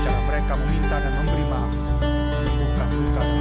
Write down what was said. cara mereka meminta dan memberi maaf